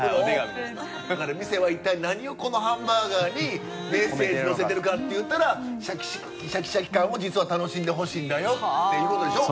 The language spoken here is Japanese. だから店は一体何をこのハンバーガーにメッセージのせてるかっていうたらシャキシャキ感を実は楽しんでほしいんだよっていう事でしょ？